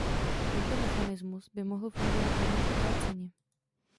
Tento mechanismus by mohl fungovat rovněž obráceně.